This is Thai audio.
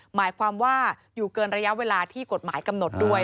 หมายความว่าอยู่เกินระยะเวลาที่กฎหมายกำหนดด้วย